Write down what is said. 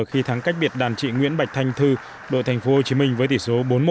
khi thắng cách biệt đàn trị nguyễn bạch thanh thư đội tp hcm với tỷ số bốn mươi một